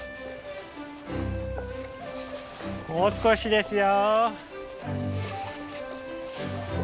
もう少しですよ。